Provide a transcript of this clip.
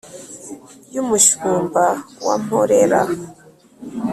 Y’umushumba wa Mporera